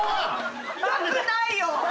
よくないよ！